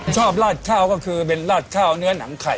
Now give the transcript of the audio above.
ราดข้าวก็คือเป็นราดข้าวเนื้อหนังไข่